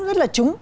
rất là trúng